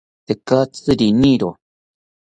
Tekatzi riniro